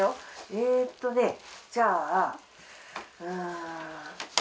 えーっとね、じゃあ、うーん。